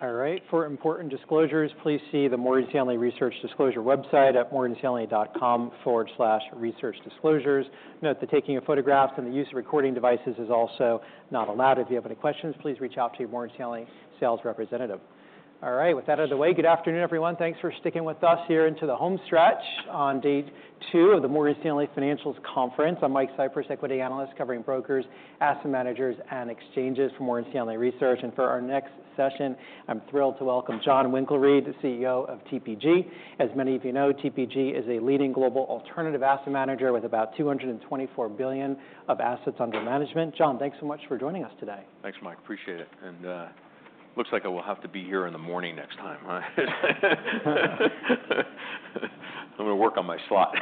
All right, for important disclosures, please see the Morgan Stanley Research Disclosure website at morganstanley.com/researchdisclosures. Note that taking of photographs and the use of recording devices is also not allowed. If you have any questions, please reach out to your Morgan Stanley sales representative. All right, with that out of the way, good afternoon, everyone. Thanks for sticking with us here into the home stretch on day two of the Morgan Stanley Financials Conference. I'm Mike Cyprys, equity analyst, covering brokers, asset managers, and exchanges for Morgan Stanley Research. And for our next session, I'm thrilled to welcome John Winkelried, the CEO of TPG. As many of you know, TPG is a leading global alternative asset manager with about $224 billion of assets under management. John, thanks so much for joining us today. Thanks, Mike. Appreciate it, and looks like I will have to be here in the morning next time, right? I'm going to work on my slot.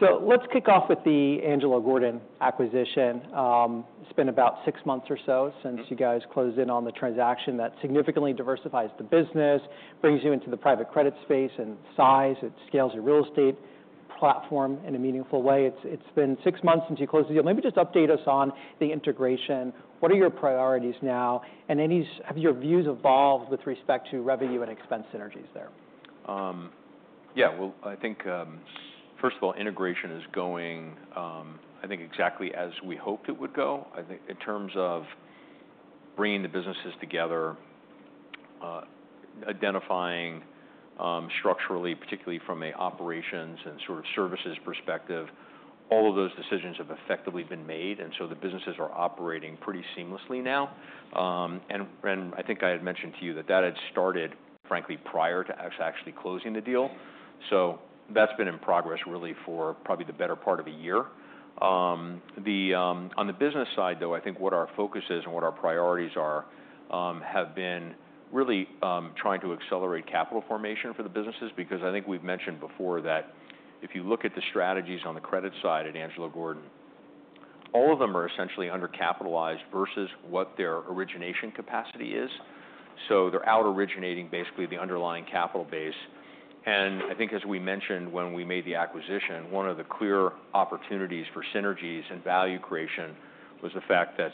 So let's kick off with the Angelo Gordon acquisition. It's been about six months or so since you guys closed in on the transaction. That significantly diversifies the business, brings you into the private credit space and size. It scales your real estate platform in a meaningful way. It's been six months since you closed the deal. Let me just update us on the integration. What are your priorities now? And have your views evolved with respect to revenue and expense synergies there? Yeah, well, I think first of all, integration is going, I think exactly as we hoped it would go. I think in terms of bringing the businesses together, identifying structurally, particularly from a operations and sort of services perspective, all of those decisions have effectively been made, and so the businesses are operating pretty seamlessly now. And I think I had mentioned to you that that had started frankly, prior to us actually closing the deal. So that's been in progress really for probably the better part of a year. On the business side, though, I think what our focus is and what our priorities are have been really trying to accelerate capital formation for the businesses, because I think we've mentioned before that if you look at the strategies on the credit side at Angelo Gordon, all of them are essentially undercapitalized versus what their origination capacity is. So they're out originating basically the underlying capital base. And I think as we mentioned when we made the acquisition, one of the clear opportunities for synergies and value creation was the fact that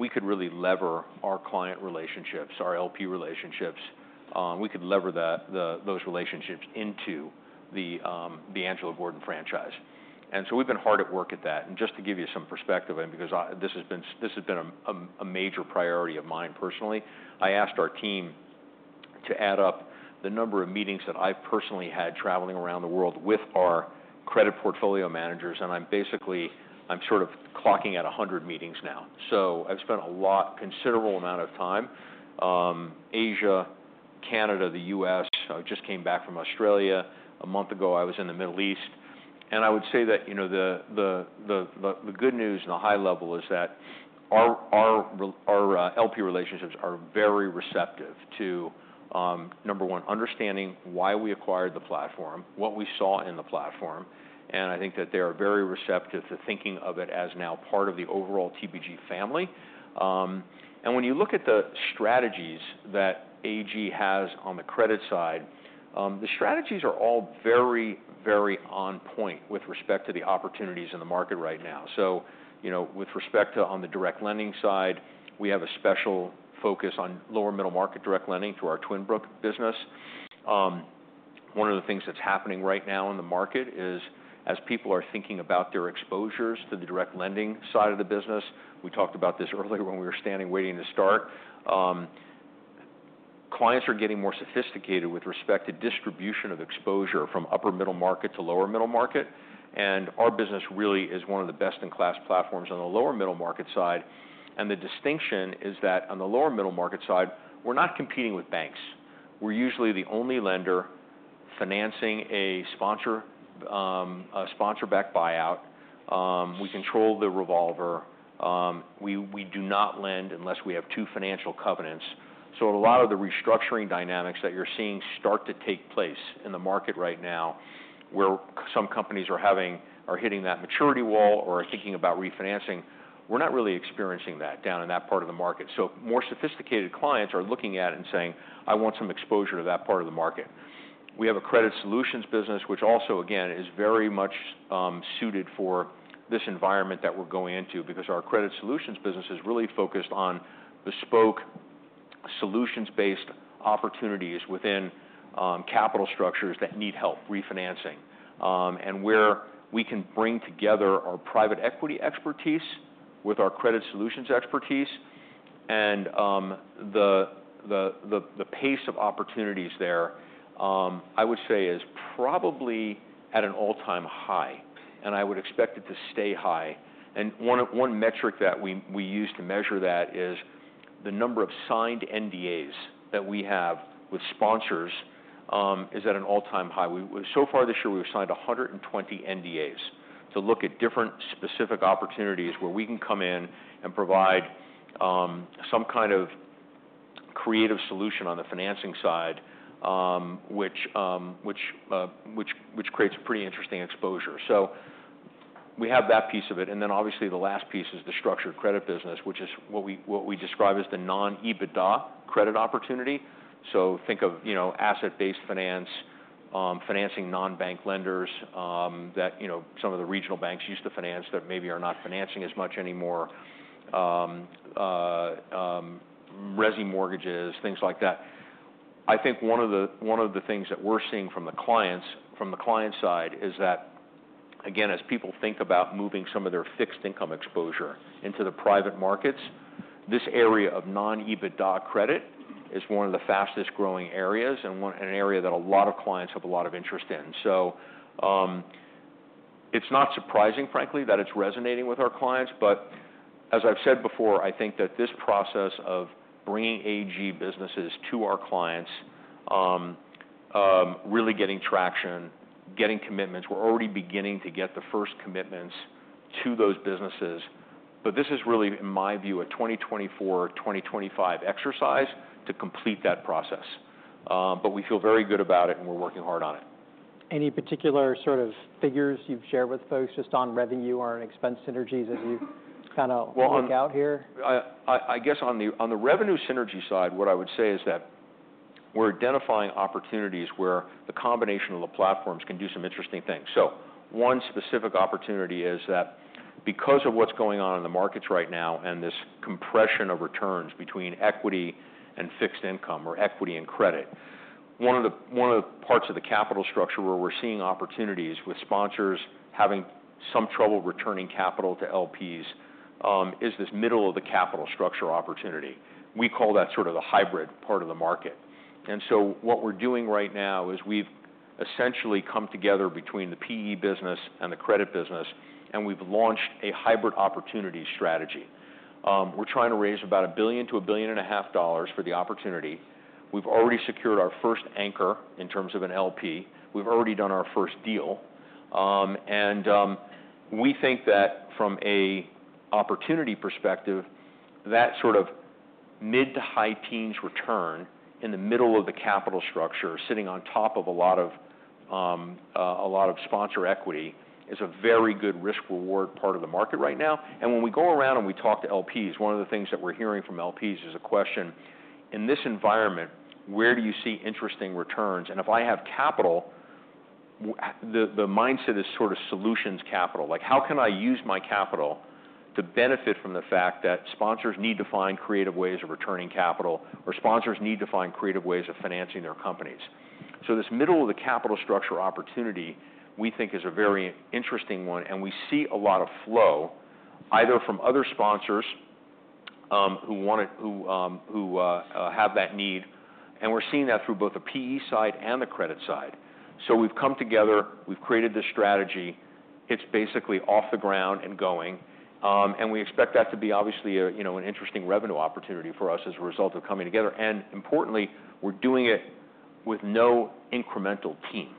we could really lever our client relationships, our LP relationships, we could lever those relationships into the Angelo Gordon franchise. And so we've been hard at work at that. Just to give you some perspective, and because this has been a major priority of mine personally, I asked our team to add up the number of meetings that I've personally had traveling around the world with our credit portfolio managers, and I'm basically sort of clocking at 100 meetings now. So I've spent a lot, considerable amount of time, Asia, Canada, the U.S. I just came back from Australia. A month ago, I was in the Middle East. And I would say that, you know, the good news and the high level is that our LP relationships are very receptive to number one, understanding why we acquired the platform, what we saw in the platform, and I think that they are very receptive to thinking of it as now part of the overall TPG family. And when you look at the strategies that AG has on the credit side, the strategies are all very, very on point with respect to the opportunities in the market right now. So, you know, with respect to on the Direct Lending side, we have a special focus on lower middle market Direct Lending through our Twin Brook business. One of the things that's happening right now in the market is as people are thinking about their exposures to the Direct Lending side of the business, we talked about this earlier when we were standing, waiting to start, clients are getting more sophisticated with respect to distribution of exposure from upper middle market to lower middle market, and our business really is one of the best-in-class platforms on the lower middle market side. The distinction is that on the lower middle market side, we're not competing with banks. We're usually the only lender financing a sponsor, a sponsor-backed buyout. We control the revolver. We do not lend unless we have two financial covenants. So a lot of the restructuring dynamics that you're seeing start to take place in the market right now, where some companies are hitting that maturity wall or are thinking about refinancing, we're not really experiencing that down in that part of the market. So more sophisticated clients are looking at it and saying, "I want some exposure to that part of the market." We have a Credit Solutions business, which also, again, is very much suited for this environment that we're going into, because our Credit Solutions business is really focused on bespoke solutions-based opportunities within capital structures that need help refinancing, and where we can bring together our private equity expertise with our Credit Solutions expertise. And the pace of opportunities there is probably at an all-time high, and I would expect it to stay high. And one metric that we use to measure that is the number of signed NDAs that we have with sponsors is at an all-time high. So far this year, we've signed 120 NDAs to look at different specific opportunities where we can come in and provide some kind of creative solution on the financing side, which creates a pretty interesting exposure. So we have that piece of it. And then obviously, the last piece is the Structured Credit business, which is what we describe as the non-EBITDA credit opportunity. So think of, you know, asset-based finance. financing non-bank lenders, that, you know, some of the regional banks used to finance that maybe are not financing as much anymore, resi mortgages, things like that. I think one of the, one of the things that we're seeing from the clients, from the client side, is that, again, as people think about moving some of their fixed income exposure into the private markets, this area of non-EBITDA credit is one of the fastest-growing areas and one an area that a lot of clients have a lot of interest in. So, it's not surprising, frankly, that it's resonating with our clients, but as I've said before, I think that this process of bringing AG businesses to our clients, really getting traction, getting commitments, we're already beginning to get the first commitments to those businesses. But this is really, in my view, a 2024-2025 exercise to complete that process. But we feel very good about it, and we're working hard on it. Any particular sort of figures you've shared with folks just on revenue or expense synergies as you kind of work out here? Well, I guess on the revenue synergy side, what I would say is that we're identifying opportunities where the combination of the platforms can do some interesting things. So one specific opportunity is that because of what's going on in the markets right now, and this compression of returns between equity and fixed income or equity and credit, one of the parts of the capital structure where we're seeing opportunities with sponsors having some trouble returning capital to LPs is this middle of the capital structure opportunity. We call that sort of the hybrid part of the market. And so what we're doing right now is we've essentially come together between the PE business and the credit business, and we've launched a hybrid opportunity strategy. We're trying to raise about $1 billion-$1.5 billion for the opportunity. We've already secured our first anchor in terms of an LP. We've already done our first deal. We think that from a opportunity perspective, that sort of mid to high teens return in the middle of the capital structure, sitting on top of a lot of, a lot of sponsor equity, is a very good risk-reward part of the market right now. And when we go around and we talk to LPs, one of the things that we're hearing from LPs is a question: "In this environment, where do you see interesting returns? And if I have capital," the mindset is sort of solutions capital. Like, "How can I use my capital to benefit from the fact that sponsors need to find creative ways of returning capital, or sponsors need to find creative ways of financing their companies?" So this middle of the capital structure opportunity, we think, is a very interesting one, and we see a lot of flow, either from other sponsors, who want it—who have that need, and we're seeing that through both the PE side and the credit side. So we've come together, we've created this strategy. It's basically off the ground and going, and we expect that to be obviously a, you know, an interesting revenue opportunity for us as a result of coming together. And importantly, we're doing it with no incremental team.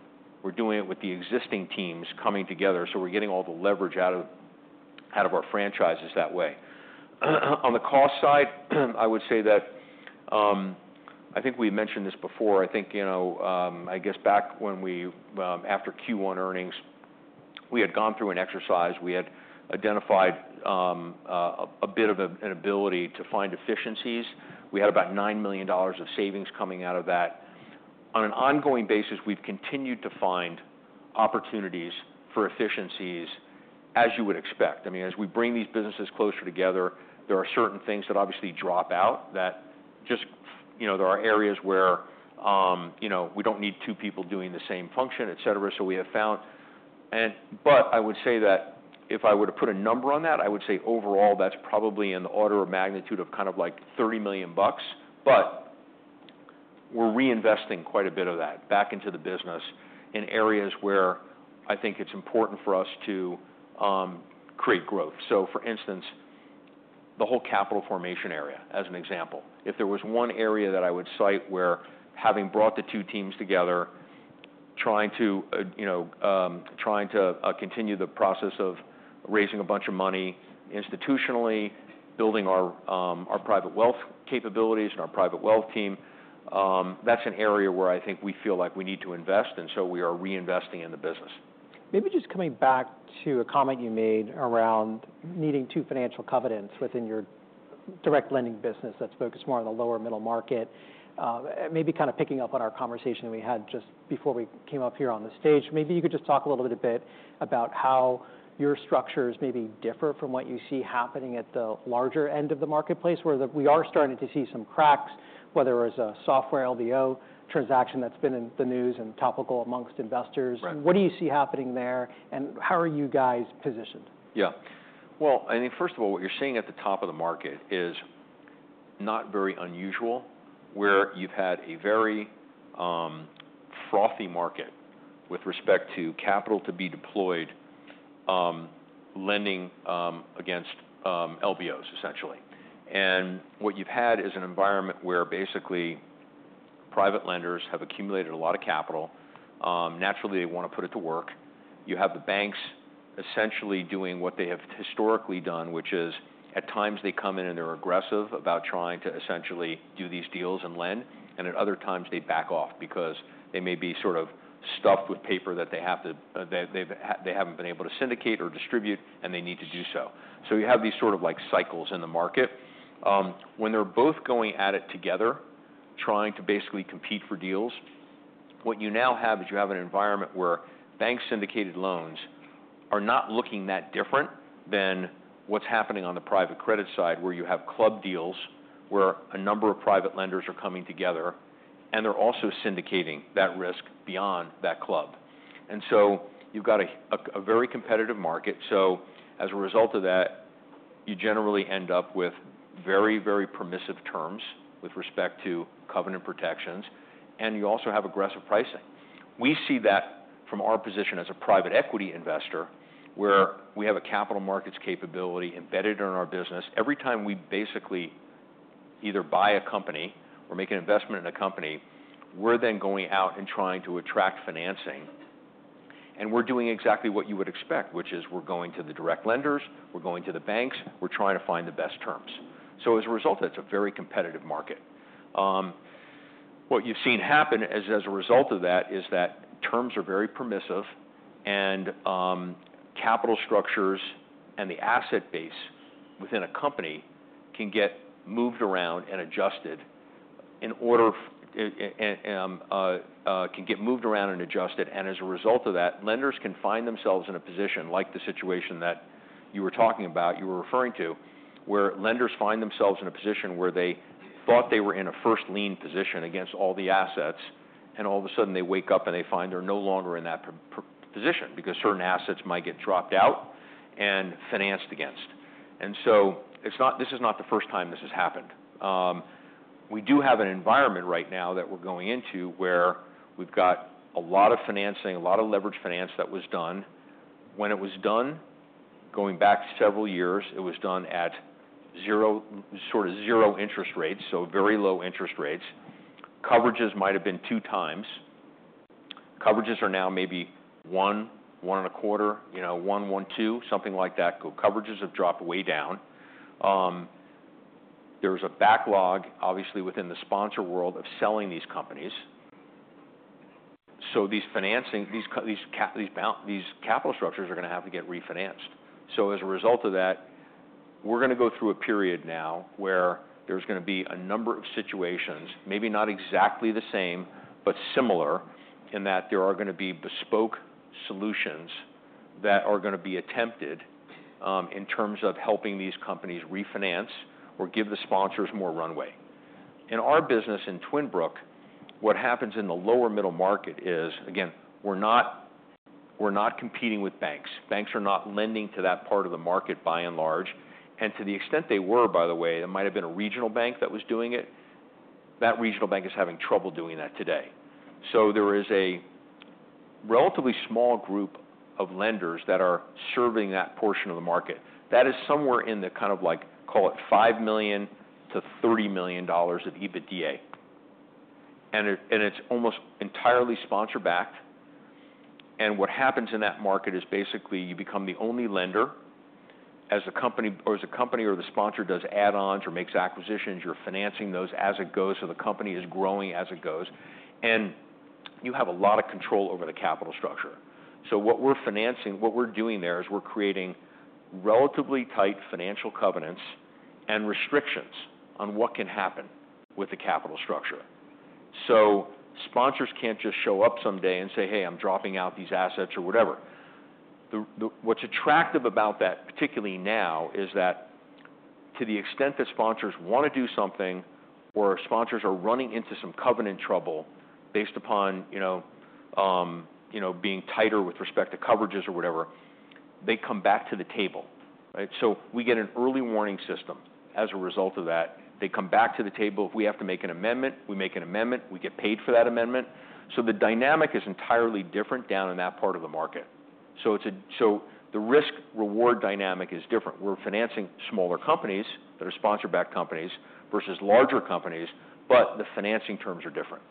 We're doing it with the existing teams coming together, so we're getting all the leverage out of, out of our franchises that way. On the cost side, I would say that, I think we mentioned this before. I think, you know, I guess back when we, after Q1 earnings, we had gone through an exercise. We had identified a bit of an ability to find efficiencies. We had about $9 million of savings coming out of that. On an ongoing basis, we've continued to find opportunities for efficiencies, as you would expect. I mean, as we bring these businesses closer together, there are certain things that obviously drop out that just. you know, there are areas where, you know, we don't need two people doing the same function, et cetera, so we have found. But I would say that if I were to put a number on that, I would say overall, that's probably in the order of magnitude of kind of like $30 million. But we're reinvesting quite a bit of that back into the business in areas where I think it's important for us to create growth. So for instance, the whole capital formation area, as an example, if there was one area that I would cite where having brought the two teams together, trying to you know continue the process of raising a bunch of money institutionally, building our private wealth capabilities and our private wealth team, that's an area where I think we feel like we need to invest, and so we are reinvesting in the business. Maybe just coming back to a comment you made around needing two financial covenants within your Direct Lending business that's focused more on the lower middle market. Maybe kind of picking up on our conversation we had just before we came up here on the stage, maybe you could just talk a little bit about how your structures maybe differ from what you see happening at the larger end of the marketplace, where we are starting to see some cracks, whether it's a software LBO transaction that's been in the news and topical amongst investors. Right. What do you see happening there, and how are you guys positioned? Yeah. Well, I mean, first of all, what you're seeing at the top of the market is not very unusual, where you've had a very, frothy market with respect to capital to be deployed, lending, against, LBOs, essentially. And what you've had is an environment where basically, private lenders have accumulated a lot of capital. Naturally, they want to put it to work. You have the banks essentially doing what they have historically done, which is, at times they come in, and they're aggressive about trying to essentially do these deals and lend, and at other times, they back off because they may be sort of stuffed with paper that they've, they haven't been able to syndicate or distribute, and they need to do so. So you have these sort of like, cycles in the market. When they're both going at it together, trying to basically compete for deals, what you now have is you have an environment where bank-syndicated loans are not looking that different than what's happening on the private credit side, where you have club deals, where a number of private lenders are coming together, and they're also syndicating that risk beyond that club. So you've got a very competitive market. As a result of that, you generally end up with very, very permissive terms with respect to covenant protections, and you also have aggressive pricing. We see that from our position as a private equity investor, where we have a capital markets capability embedded in our business. Every time we basically either buy a company or make an investment in a company, we're then going out and trying to attract financing, and we're doing exactly what you would expect, which is we're going to the direct lenders, we're going to the banks, we're trying to find the best terms. So as a result of that, it's a very competitive market. What you've seen happen as a result of that is that terms are very permissive, and capital structures and the asset base within a company can get moved around and adjusted, and as a result of that, lenders can find themselves in a position like the situation that you were talking about, you were referring to, where lenders find themselves in a position where they thought they were in a first lien position against all the assets, and all of a sudden they wake up, and they find they're no longer in that position because certain assets might get dropped out and financed against. And so this is not the first time this has happened. We do have an environment right now that we're going into, where we've got a lot of financing, a lot of leverage finance that was done. When it was done, going back several years, it was done at zero, sort of zero interest rates, so very low interest rates. Coverages might have been 2x. Coverages are now maybe 1, 1.25, you know, 1, 1.2, something like that. Coverages have dropped way down. There's a backlog, obviously, within the sponsor world of selling these companies. So these financing, these capital structures are going to have to get refinanced. So as a result of that, we're going to go through a period now where there's going to be a number of situations, maybe not exactly the same, but similar, in that there are going to be bespoke solutions that are going to be attempted, in terms of helping these companies refinance or give the sponsors more runway. In our business in Twin Brook, what happens in the lower middle market is, again, we're not, we're not competing with banks. Banks are not lending to that part of the market by and large, and to the extent they were, by the way, it might have been a regional bank that was doing it. That regional bank is having trouble doing that today. So there is a relatively small group of lenders that are serving that portion of the market. That is somewhere in the kind of like, call it $5 million-$30 million of EBITDA, and it, and it's almost entirely sponsor backed. And what happens in that market is basically you become the only lender as the company or as the company or the sponsor does add-ons or makes acquisitions, you're financing those as it goes, so the company is growing as it goes, and you have a lot of control over the capital structure. So what we're financing, what we're doing there, is we're creating relatively tight financial covenants and restrictions on what can happen with the capital structure. So sponsors can't just show up someday and say, "Hey, I'm dropping out these assets," or whatever. What's attractive about that, particularly now, is that to the extent that sponsors want to do something or sponsors are running into some covenant trouble based upon, you know, you know, being tighter with respect to coverages or whatever, they come back to the table, right? So we get an early warning system as a result of that. They come back to the table. If we have to make an amendment, we make an amendment. We get paid for that amendment. So the dynamic is entirely different down in that part of the market. So the risk-reward dynamic is different. We're financing smaller companies that are sponsor-backed companies versus larger companies, but the financing terms are different.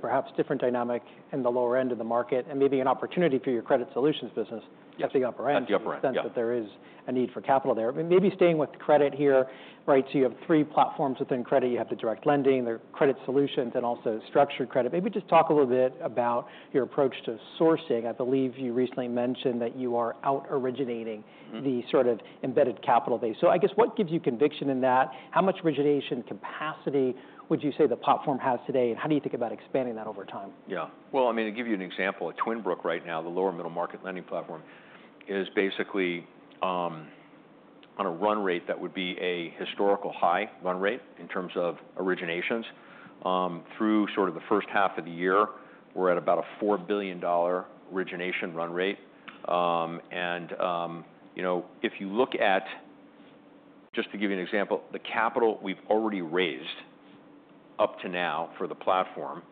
Perhaps different dynamic in the lower end of the market and maybe an opportunity for your Credit Solutions business. Yes. At the upper end. At the upper end, yeah. Since that there is a need for capital there. Maybe staying with credit here, right? So you have three platforms within credit. You have the Direct Lending, there are credit solutions, and also Structured Credit. Maybe just talk a little bit about your approach to sourcing. I believe you recently mentioned that you are out originating the sort of embedded capital base. So I guess what gives you conviction in that? How much origination capacity would you say the platform has today, and how do you think about expanding that over time? Yeah. Well, I mean, to give you an example, at Twin Brook right now, the lower middle market lending platform is basically on a run rate that would be a historical high run rate in terms of originations. Through sort of the first half of the year, we're at about a $4 billion origination run rate. And, you know, if you look at, just to give you an example, the capital we've already raised up to now for the platform,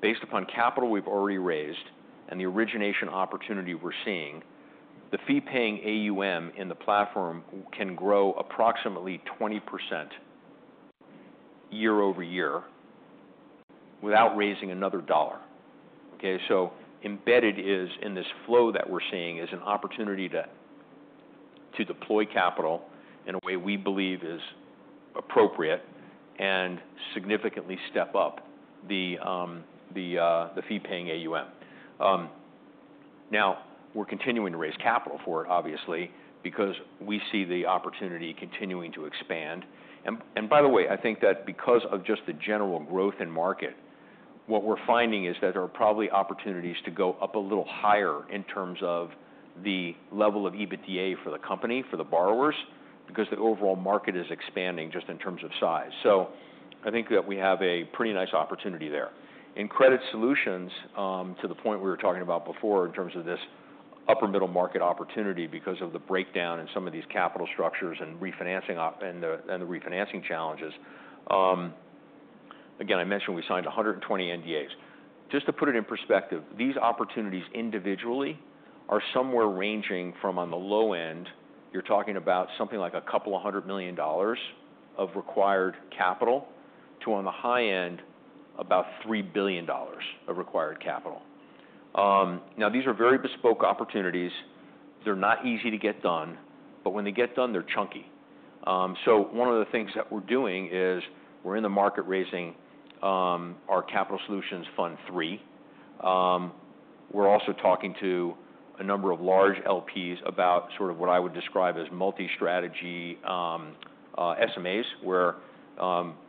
based upon capital we've already raised and the origination opportunity we're seeing, the fee-paying AUM in the platform can grow approximately 20% year-over-year without raising another dollar. Okay, so embedded is, in this flow that we're seeing, is an opportunity to deploy capital in a way we believe is appropriate and significantly step up the fee-paying AUM. Now, we're continuing to raise capital for it, obviously, because we see the opportunity continuing to expand. And, by the way, I think that because of just the general growth in market, what we're finding is that there are probably opportunities to go up a little higher in terms of the level of EBITDA for the company, for the borrowers, because the overall market is expanding just in terms of size. So I think that we have a pretty nice opportunity there. In credit solutions, to the point we were talking about before, in terms of this upper middle market opportunity, because of the breakdown in some of these capital structures and refinancing and the refinancing challenges, again, I mentioned we signed 120 NDAs. Just to put it in perspective, these opportunities individually are somewhere ranging from, on the low end, you're talking about something like $200 million of required capital, to on the high end, about $3 billion of required capital. Now, these are very bespoke opportunities. They're not easy to get done, but when they get done, they're chunky. So one of the things that we're doing is we're in the market raising our Capital Solutions Fund III. We're also talking to a number of large LPs about sort of what I would describe as multi-strategy SMAs, where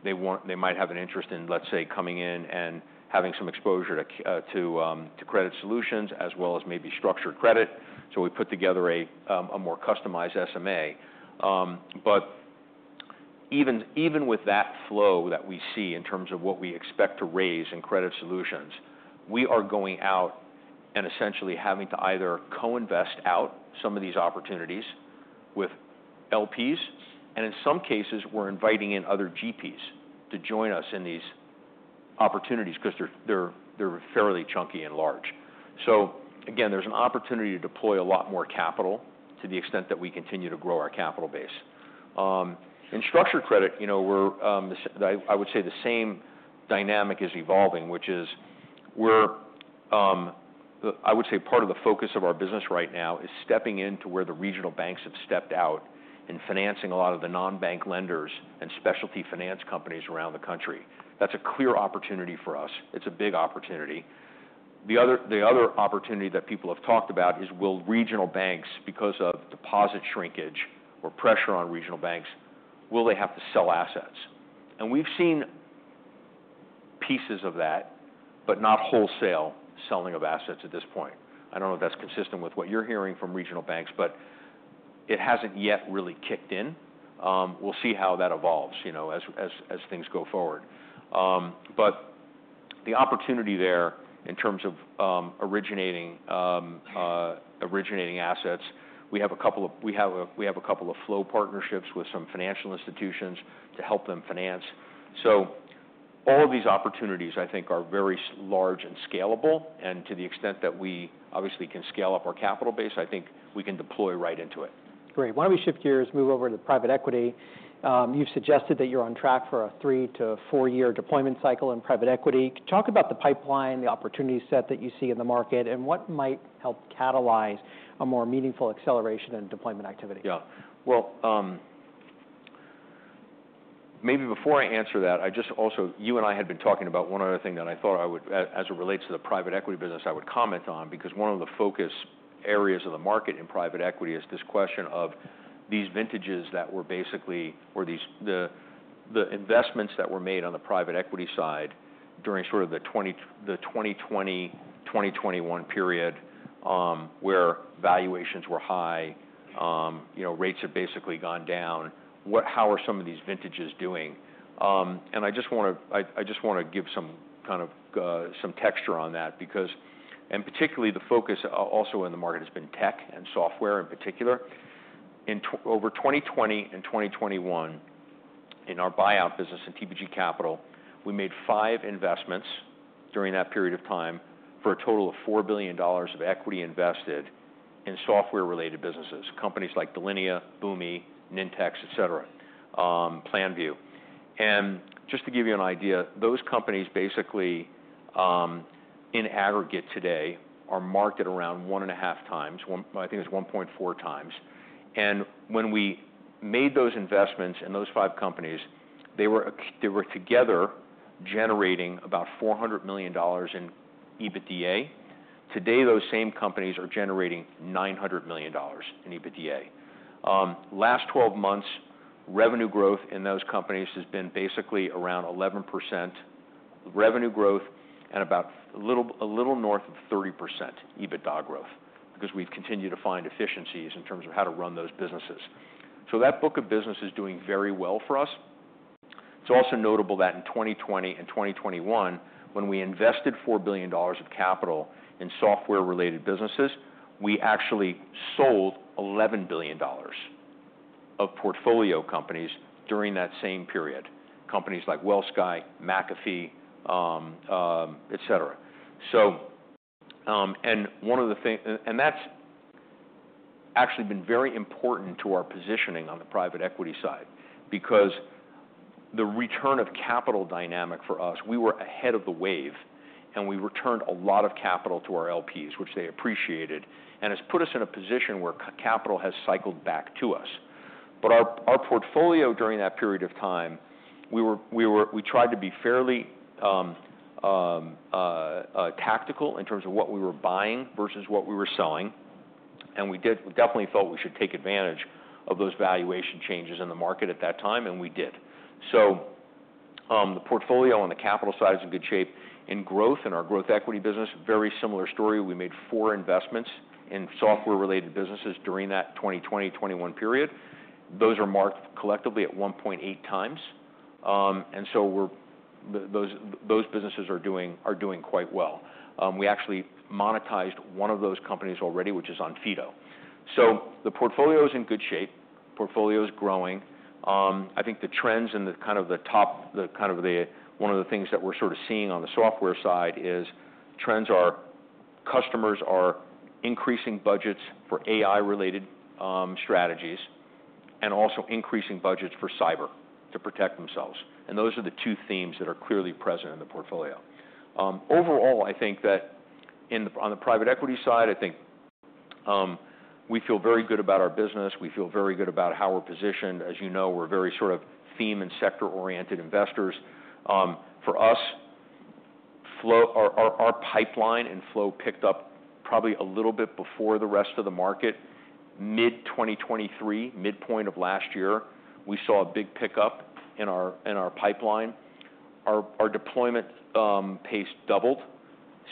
they want they might have an interest in, let's say, coming in and having some exposure to credit solutions, as well as maybe Structured Credit. So we put together a more customized SMA. But even with that flow that we see in terms of what we expect to raise in Credit Solutions, we are going out and essentially having to either co-invest out some of these opportunities with LPs, and in some cases, we're inviting in other GPs to join us in these opportunities because they're fairly chunky and large. So again, there's an opportunity to deploy a lot more capital to the extent that we continue to grow our capital base. In Structured Credit, you know, I would say the same dynamic is evolving, which is I would say part of the focus of our business right now is stepping into where the regional banks have stepped out in financing a lot of the non-bank lenders and specialty finance companies around the country. That's a clear opportunity for us. It's a big opportunity. The other opportunity that people have talked about is, will regional banks, because of deposit shrinkage or pressure on regional banks, will they have to sell assets? And we've seen pieces of that, but not wholesale selling of assets at this point. I don't know if that's consistent with what you're hearing from regional banks, but it hasn't yet really kicked in. We'll see how that evolves, you know, as things go forward. But the opportunity there, in terms of originating assets, we have a couple of flow partnerships with some financial institutions to help them finance. So all of these opportunities, I think, are very large and scalable, and to the extent that we obviously can scale up our capital base, I think we can deploy right into it. Great. Why don't we shift gears, move over to private equity? You've suggested that you're on track for a 3- to 4-year deployment cycle in private equity. Talk about the pipeline, the opportunity set that you see in the market, and what might help catalyze a more meaningful acceleration in deployment activity. Yeah. Well, maybe before I answer that, I just also you and I had been talking about one other thing that I thought I would, as it relates to the private equity business, I would comment on, because one of the focus areas of the market in private equity is this question of these vintages that were basically or these investments that were made on the private equity side during sort of the 2020, 2021 period, where valuations were high, you know, rates have basically gone down. How are some of these vintages doing? And I just want to, I just want to give some kind of some texture on that because and particularly the focus also in the market has been tech and software, in particular. In over 2020 and 2021, in our buyout business in TPG Capital, we made five investments during that period of time for a total of $4 billion of equity invested in software-related businesses, companies like Delinea, Boomi, Nintex, et cetera, Planview. And just to give you an idea, those companies basically, in aggregate today, are marked around 1.5x. I think it's 1.4x. And when we made those investments in those five companies, they were together generating about $400 million in EBITDA. Today, those same companies are generating $900 million in EBITDA. Last 12 months, revenue growth in those companies has been basically around 11% revenue growth and about a little north of 30% EBITDA growth, because we've continued to find efficiencies in terms of how to run those businesses. So that book of business is doing very well for us. It's also notable that in 2020 and 2021, when we invested $4 billion of capital in software-related businesses, we actually sold $11 billion of portfolio companies during that same period. Companies like WellSky, McAfee, et cetera. And that's actually been very important to our positioning on the private equity side, because the return of capital dynamic for us, we were ahead of the wave, and we returned a lot of capital to our LPs, which they appreciated, and has put us in a position where capital has cycled back to us. But our portfolio during that period of time, we were. We tried to be fairly tactical in terms of what we were buying versus what we were selling. And we did. We definitely felt we should take advantage of those valuation changes in the market at that time, and we did. So, the portfolio on the capital side is in good shape. In growth, in our growth equity business, very similar story. We made four investments in software-related businesses during that 2020, 2021 period. Those are marked collectively at 1.8 times. Those businesses are doing quite well. We actually monetized one of those companies already, which is Onfido. So the portfolio is in good shape. Portfolio is growing. I think the trends and one of the things that we're sort of seeing on the software side is customers are increasing budgets for AI-related strategies, and also increasing budgets for cyber to protect themselves. And those are the two themes that are clearly present in the portfolio. Overall, I think that on the private equity side, I think we feel very good about our business. We feel very good about how we're positioned. As you know, we're very sort of theme and sector-oriented investors. For us, our pipeline and flow picked up probably a little bit before the rest of the market. Mid-2023, midpoint of last year, we saw a big pickup in our pipeline. Our deployment pace doubled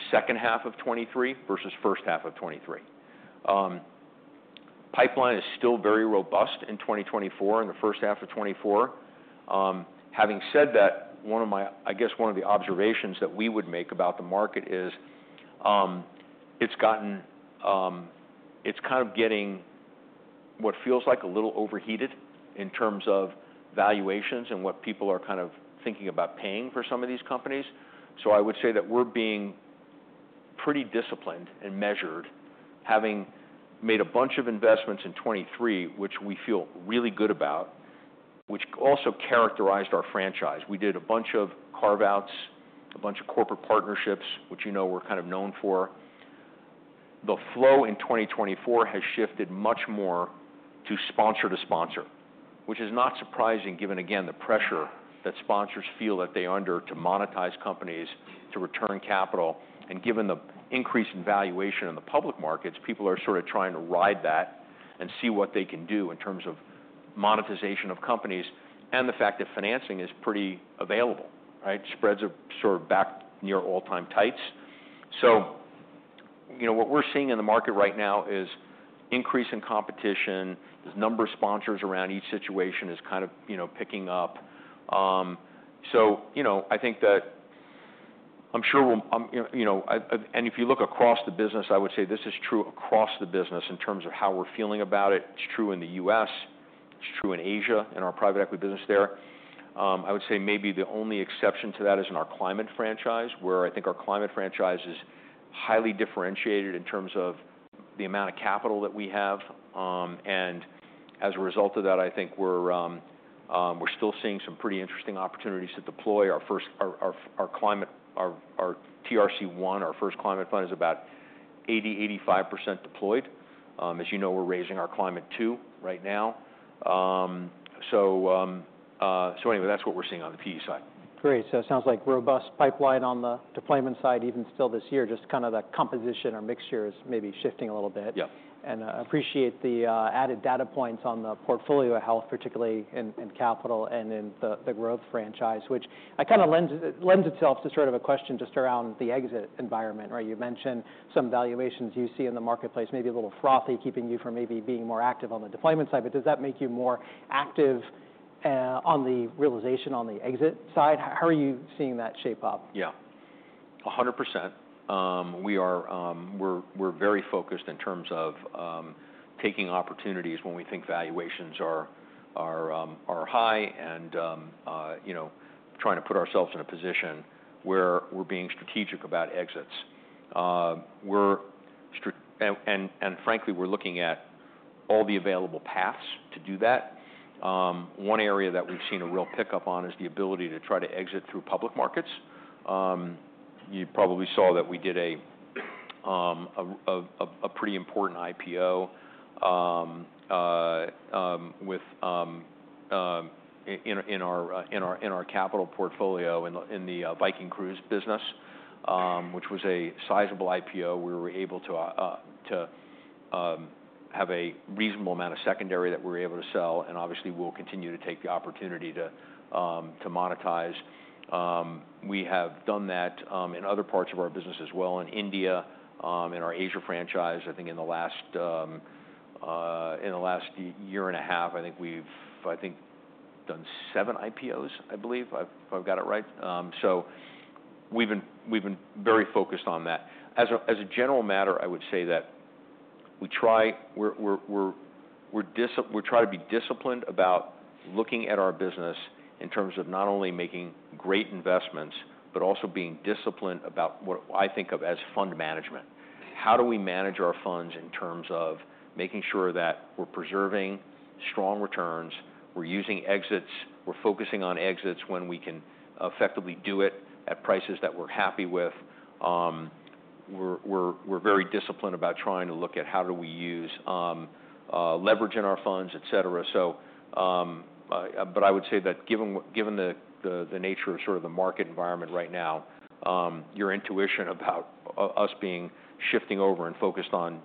second half of 2023 versus first half of 2023. Pipeline is still very robust in 2024, in the first half of 2024. Having said that, one of my, I guess one of the observations that we would make about the market is, it's gotten. It's kind of getting what feels like a little overheated in terms of valuations and what people are kind of thinking about paying for some of these companies. So I would say that we're being pretty disciplined and measured, having made a bunch of investments in 2023, which we feel really good about, which also characterized our franchise. We did a bunch of carve-outs, a bunch of corporate partnerships, which, you know, we're kind of known for. The flow in 2024 has shifted much more to sponsor to sponsor, which is not surprising, given, again, the pressure that sponsors feel that they are under to monetize companies, to return capital. And given the increase in valuation in the public markets, people are sort of trying to ride that and see what they can do in terms of monetization of companies and the fact that financing is pretty available, right? Spreads are sort of back near all-time tights. So, you know, what we're seeing in the market right now is increase in competition. The number of sponsors around each situation is kind of, you know, picking up. So, you know, I think that I'm sure we're you know, and if you look across the business, I would say this is true across the business in terms of how we're feeling about it. It's true in the U.S., it's true in Asia, in our private equity business there. I would say maybe the only exception to that is in our climate franchise, where I think our climate franchise is highly differentiated in terms of the amount of capital that we have. And as a result of that, I think we're, we're still seeing some pretty interesting opportunities to deploy. Our first climate, our TRC One, our first climate fund, is about 80%-85% deployed. As you know, we're raising our Climate Two right now. Anyway, that's what we're seeing on the PE side. Great. So it sounds like robust pipeline on the deployment side, even still this year, just kind of the composition or mixture is maybe shifting a little bit. Yeah. Appreciate the added data points on the portfolio health, particularly in capital and in the growth franchise, which it kind of lends itself to sort of a question just around the exit environment, right? You mentioned some valuations you see in the marketplace, maybe a little frothy, keeping you from maybe being more active on the deployment side, but does that make you more active on the realization on the exit side? How are you seeing that shape up? Yeah, 100%. We are, we're, we're very focused in terms of taking opportunities when we think valuations are high and, you know, trying to put ourselves in a position where we're being strategic about exits. We're frankly looking at all the available paths to do that. One area that we've seen a real pickup on is the ability to try to exit through public markets. You probably saw that we did a pretty important IPO with in our capital portfolio, in the Viking cruise business, which was a sizable IPO. We were able to have a reasonable amount of secondary that we're able to sell, and obviously, we'll continue to take the opportunity to monetize. We have done that in other parts of our business as well. In India, in our Asia franchise, I think in the last year and a half, I think we've, I think, done seven IPOs, I believe, if I've got it right. So we've been, we've been very focused on that. As a general matter, I would say that we try to be disciplined about looking at our business in terms of not only making great investments, but also being disciplined about what I think of as fund management. How do we manage our funds in terms of making sure that we're preserving strong returns, we're using exits, we're focusing on exits when we can effectively do it at prices that we're happy with, we're very disciplined about trying to look at how do we use leverage in our funds, et cetera. So, but I would say that given the nature of sort of the market environment right now, your intuition about us being shifting over and focused on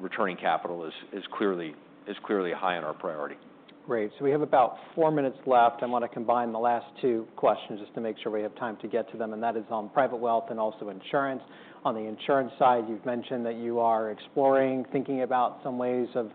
returning capital is clearly high on our priority. Great. So we have about four minutes left. I want to combine the last two questions just to make sure we have time to get to them, and that is on private wealth and also insurance. On the insurance side, you've mentioned that you are exploring, thinking about some ways of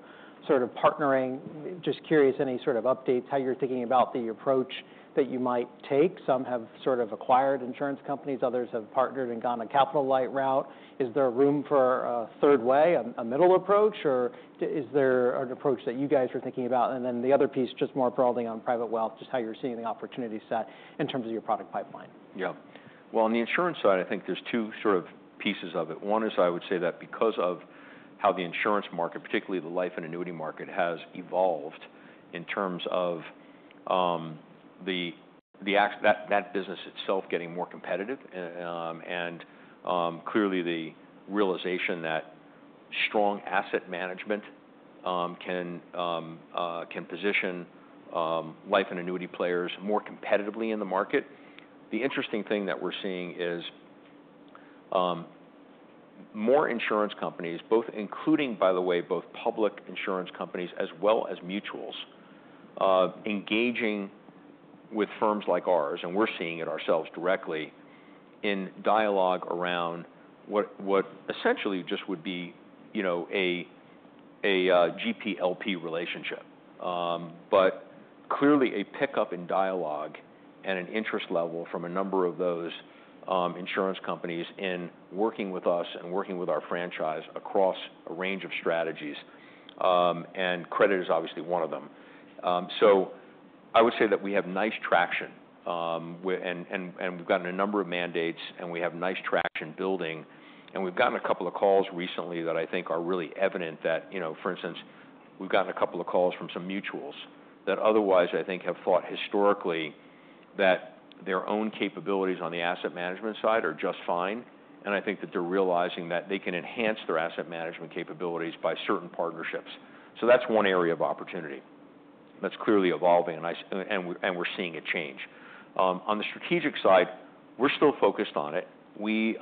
sort of partnering. Just curious, any sort of updates, how you're thinking about the approach that you might take? Some have sort of acquired insurance companies, others have partnered and gone a capital light route. Is there room for a third way, a middle approach, or is there an approach that you guys are thinking about? And then the other piece, just more broadly on private wealth, just how you're seeing the opportunity set in terms of your product pipeline. Yeah. Well, on the insurance side, I think there's two sort of pieces of it. One is I would say that because of how the insurance market, particularly the life and annuity market, has evolved in terms of the business itself getting more competitive, and clearly, the realization that strong asset management can position life and annuity players more competitively in the market. The interesting thing that we're seeing is more insurance companies, both including, by the way, both public insurance companies as well as mutuals, engaging with firms like ours, and we're seeing it ourselves directly, in dialogue around what essentially just would be, you know, a GP-LP relationship. But clearly a pickup in dialogue and an interest level from a number of those insurance companies in working with us and working with our franchise across a range of strategies, and credit is obviously one of them. So I would say that we have nice traction, and we've gotten a number of mandates, and we have nice traction building. And we've gotten a couple of calls recently that I think are really evident that, you know, for instance, we've gotten a couple of calls from some mutuals that otherwise I think have thought historically that their own capabilities on the asset management side are just fine, and I think that they're realizing that they can enhance their asset management capabilities by certain partnerships. So that's one area of opportunity that's clearly evolving, and we're seeing it change. On the strategic side, we're still focused on it. We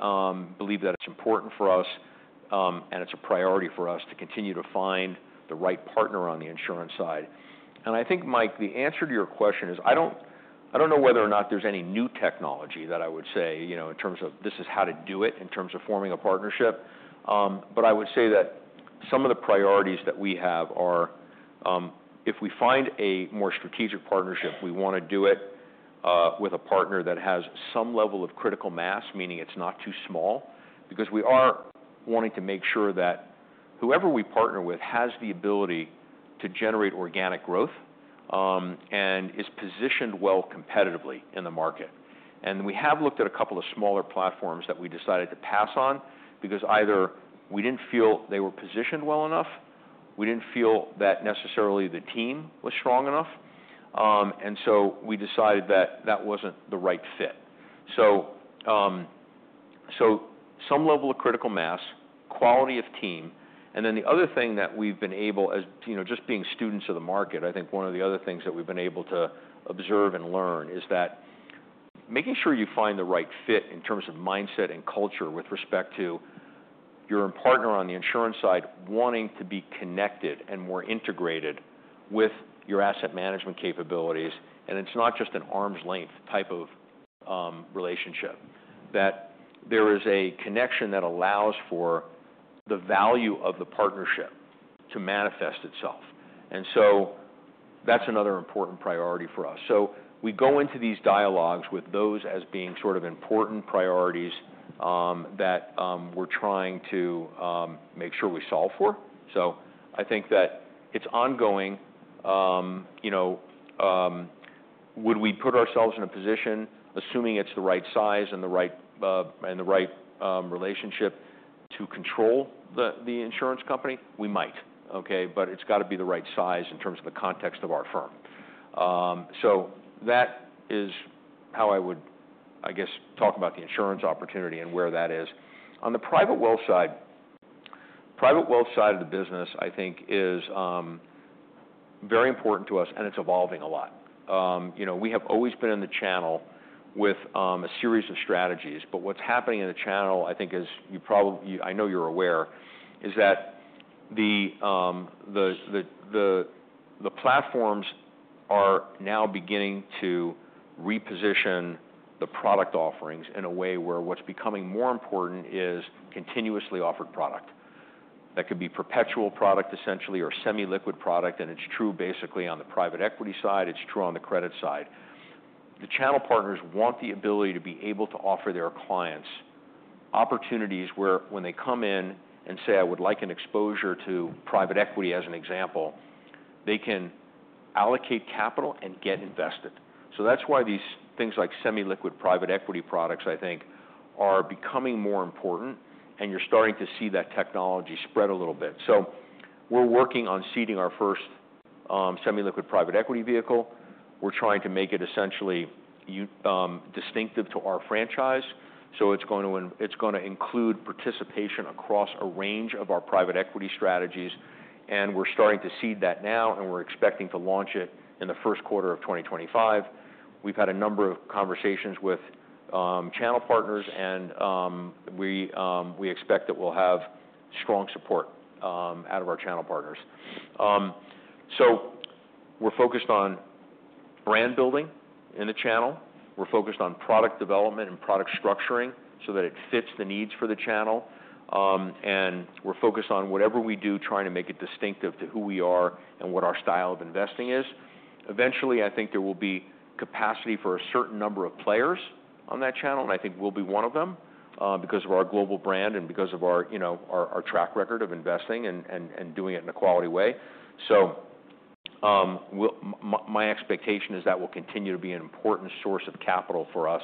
believe that it's important for us, and it's a priority for us to continue to find the right partner on the insurance side. I think, Mike, the answer to your question is I don't know whether or not there's any new technology that I would say, you know, in terms of this is how to do it, in terms of forming a partnership. But I would say that some of the priorities that we have are, if we find a more strategic partnership, we want to do it with a partner that has some level of critical mass, meaning it's not too small. Because we are wanting to make sure that whoever we partner with has the ability to generate organic growth, and is positioned well competitively in the market. We have looked at a couple of smaller platforms that we decided to pass on, because either we didn't feel they were positioned well enough, we didn't feel that necessarily the team was strong enough, and so we decided that that wasn't the right fit. So some level of critical mass, quality of team, and then the other thing that we've been able as, you know, just being students of the market, I think one of the other things that we've been able to observe and learn is that making sure you find the right fit in terms of mindset and culture with respect to your partner on the insurance side, wanting to be connected and more integrated with your asset management capabilities, and it's not just an arm's length type of relationship. That there is a connection that allows for the value of the partnership to manifest itself, and so that's another important priority for us. So we go into these dialogues with those as being sort of important priorities, that we're trying to make sure we solve for. So I think that it's ongoing. You know, would we put ourselves in a position, assuming it's the right size and the right, and the right relationship to control the, the insurance company? We might, okay? But it's got to be the right size in terms of the context of our firm. So that is how I would, I guess, talk about the insurance opportunity and where that is. On the private wealth side, private wealth side of the business, I think is very important to us, and it's evolving a lot. You know, we have always been in the channel with a series of strategies, but what's happening in the channel, I think, is you probably, I know you're aware, is that the platforms are now beginning to reposition the product offerings in a way where what's becoming more important is continuously offered product. That could be perpetual product, essentially, or semi-liquid product, and it's true basically on the private equity side, it's true on the credit side. The channel partners want the ability to be able to offer their clients opportunities where when they come in and say, "I would like an exposure to private equity," as an example, they can allocate capital and get invested. So that's why these things like semi-liquid private equity products, I think, are becoming more important, and you're starting to see that technology spread a little bit. So we're working on seeding our first semi-liquid private equity vehicle. We're trying to make it essentially distinctive to our franchise, so it's gonna include participation across a range of our private equity strategies, and we're starting to seed that now, and we're expecting to launch it in the first quarter of 2025. We've had a number of conversations with channel partners and we expect that we'll have strong support out of our channel partners. So we're focused on brand building in the channel. We're focused on product development and product structuring so that it fits the needs for the channel. And we're focused on whatever we do, trying to make it distinctive to who we are and what our style of investing is. Eventually, I think there will be capacity for a certain number of players on that channel, and I think we'll be one of them, because of our global brand and because of our, you know, our track record of investing and doing it in a quality way. So, my expectation is that will continue to be an important source of capital for us,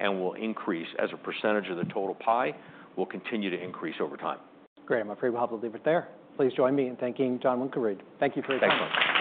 and will increase as a percentage of the total pie, will continue to increase over time. Great, I'm afraid we'll have to leave it there. Please join me in thanking John Winkelried. Thank you for your time.